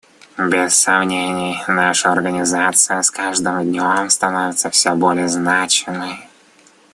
Без сомнений, наша Организация с каждым днем становится все более значимой.